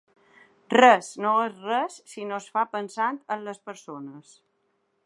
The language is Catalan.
Res no és res si no es fa pensant en les persones.